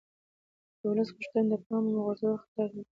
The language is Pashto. د ولس غوښتنې د پامه غورځول خطر لري